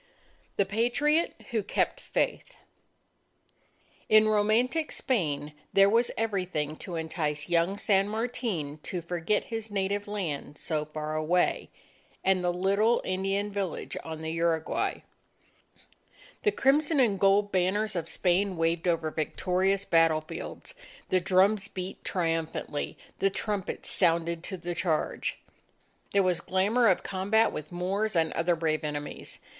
THE PATRIOT WHO KEPT FAITH In romantic Spain, there was everything to entice young San Martin to forget his native land so far away, and the little Indian village on the Uruguay. The crimson and gold banners of Spain waved over victorious battle fields, the drums beat triumphantly, the trumpets sounded to the charge. There was glamour of combat with Moors and other brave enemies.